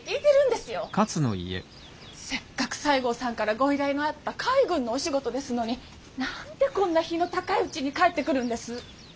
せっかく西郷さんからご依頼のあった海軍のお仕事ですのに何でこんな日の高いうちに帰ってくるんです？